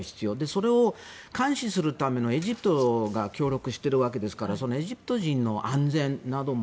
それを監視するためのエジプトが協力しているわけですからエジプト人の安全なども。